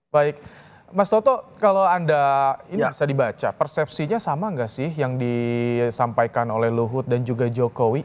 baik mas toto kalau anda ini bisa dibaca persepsinya sama nggak sih yang disampaikan oleh luhut dan juga jokowi